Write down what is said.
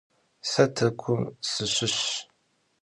Se Tırkum sışışş.